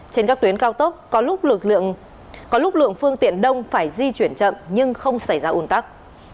trên các tuyến cao tốc có lúc lượng phương tiện đông phải di chuyển chậm nhưng không xảy ra ồn tắc